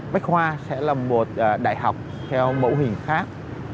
bách khoa sẽ là một đại học theo mẫu hình khác